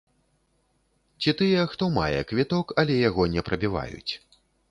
Ці тыя, хто мае квіток, але яго не прабіваюць.